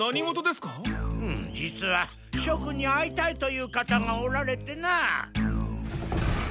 うむ実はしょ君に会いたいという方がおられてな。